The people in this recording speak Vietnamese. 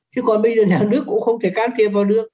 chứ còn bây giờ nhà nước cũng không thể cán thêm vào nước